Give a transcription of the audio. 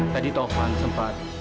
tadi taufan sempat